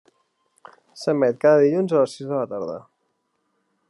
S'emet cada dilluns a les sis de la tarda.